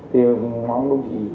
thì ngón đúng gì